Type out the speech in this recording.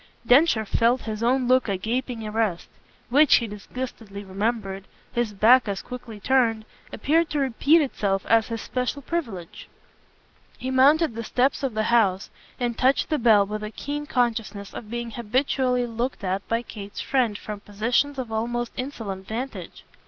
Densher felt his own look a gaping arrest which, he disgustedly remembered, his back as quickly turned, appeared to repeat itself as his special privilege. He mounted the steps of the house and touched the bell with a keen consciousness of being habitually looked at by Kate's friend from positions of almost insolent vantage.